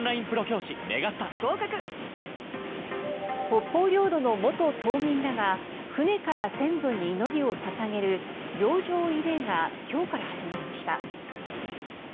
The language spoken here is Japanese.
北方領土の元島民らが船から先祖に祈りを捧げる洋上慰霊が今日から始まりました。